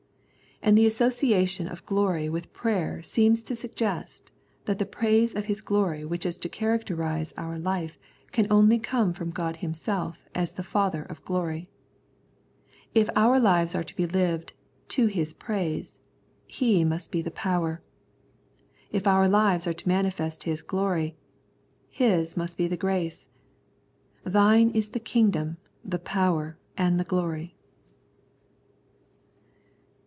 And the association of glory with prayer seems to suggest that the praise of His glory which is to characterise our life can only come from God Himself as the Father of glory. If our lives are to be lived " to His praise," His must be the power. If our lives are to manifest His glory, His must be the grace. " Thine is the kingdom, the power, and the glory."